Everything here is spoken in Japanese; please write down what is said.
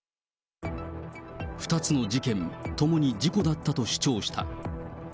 ２つの事件、ともに事故だったと主張した。